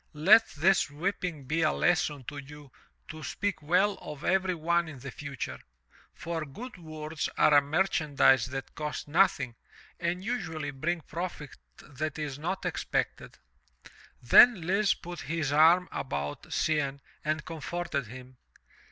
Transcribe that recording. Let this whipping be a lesson to you to speak well of every one in the future, for good words are a merchandise that cost noth ing and usually bring profit that is not expected/* Then Lise put his arm about Cianne and comforted him.